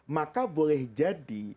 maka boleh jadi